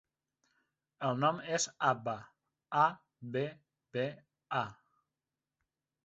El nom és Abba: a, be, be, a.